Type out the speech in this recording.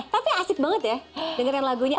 tapi asik banget ya dengerin lagunya